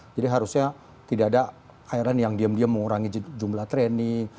harusnya tidak ada iron yang diam diam mengurangi jumlah training